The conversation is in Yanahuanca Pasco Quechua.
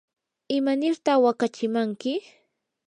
¿imanirta waqachimanki?